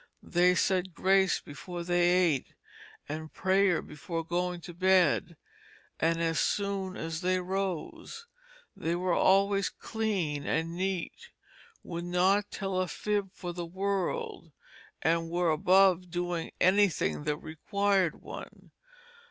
They said Grace before they ate, and Prayer before going to bed and as soon as they rose. They were always clean and neat, would not tell a Fib for the World, and were above doing any Thing that required one.